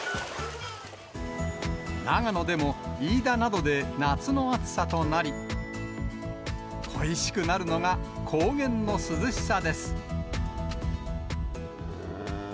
長野でも飯田などで夏の暑さとなり、恋しくなるのが高原の涼しさです。